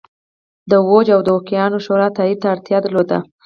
د دوج او دوکیانو شورا تایید ته اړتیا درلوده